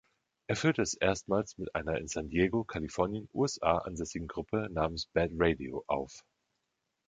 Er führte es erstmals mit einer in San Diego, Kalifornien, USA, ansässigen Gruppe namens Bad Radio auf.